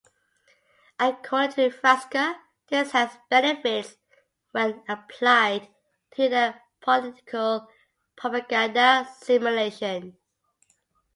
According to Frasca, this has benefits when applied to the political propaganda simulation.